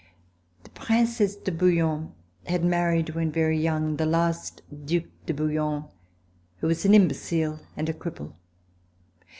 The Princesse de Bouillon had married, when very young, the last Due de Bouillon, who was an imbecile and a cripple.